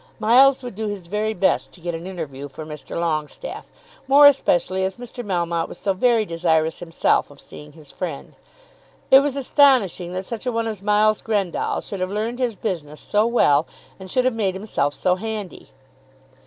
Miles would do his very best to get an interview for Mr. Longestaffe, more especially as Mr. Melmotte was so very desirous himself of seeing his friend. It was astonishing that such a one as Miles Grendall should have learned his business so well and should have made himself so handy!